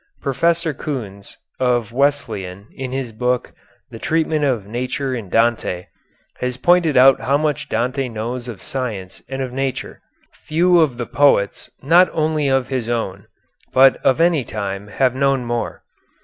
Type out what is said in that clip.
Professor Kühns, of Wesleyan, in his book "The Treatment of Nature in Dante," has pointed out how much Dante knows of science and of nature. Few of the poets not only of his own but of any time have known more.